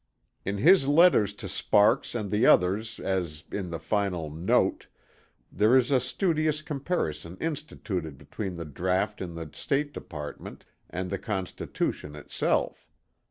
In his letters to Sparks and the others as in the final "Note," there is a studious comparison instituted between the draught in the State Department and the Constitution itself.